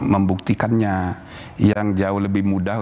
membuktikannya yang jauh lebih mudah